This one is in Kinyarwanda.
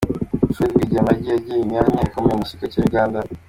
Fred Rwigema yagiye agira imyanya ikomeye mu gisirikare cya Uganda.